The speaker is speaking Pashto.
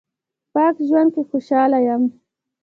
پاک ژوند کې خوشاله یم